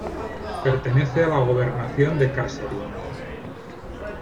Pertenece a la Gobernación de Kasserine.